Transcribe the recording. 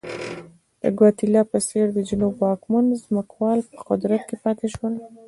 د ګواتیلا په څېر د جنوب واکمن ځمکوال په قدرت کې پاتې شول.